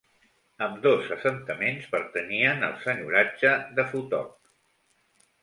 Ambdós assentaments pertanyien al senyoratge de Futog.